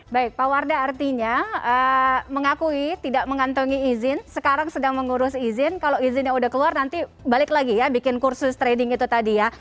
baik pak wardah artinya mengakui tidak mengantongi izin sekarang sedang mengurus izin kalau izinnya sudah keluar nanti balik lagi ya bikin kursus trading itu tadi ya